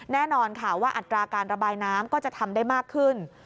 แน่นอนค่ะว่าอัตราการระบายน้ำก็จะทำได้มากขึ้น